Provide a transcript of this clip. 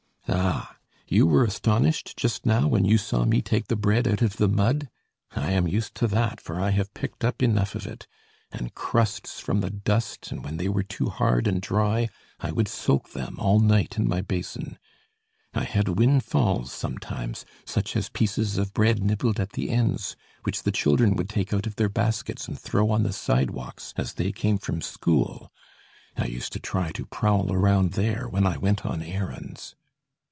Ah! you were astonished just now when you saw me take the bread out of the mud? I am used to that for I have picked up enough of it; and crusts from the dust, and when they were too hard and dry, I would soak them all night in my basin. I had windfalls sometimes, such as pieces of bread nibbled at the ends, which the children would take out of their baskets and throw on the sidewalks as they came from school. I used to try to prowl around there when I went on errands.